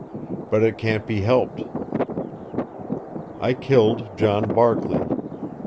But it can't be helped. I killed John Barkley.